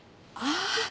ああ。